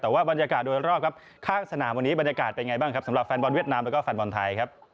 แต่ว่าบรรยากาศโดยรอบครับข้างสนามวันนี้บรรยากาศเป็นไงบ้างครับสำหรับแฟนบอลเวียดนามแล้วก็แฟนบอลไทยครับ